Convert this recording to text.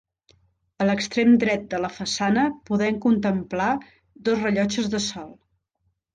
A l'extrem dret de la façana podem contemplar dos rellotges de sol.